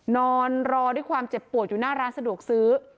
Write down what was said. นอนรอด้วยความเจ็บปวดอยู่หน้าร้านสะดวกซื้อ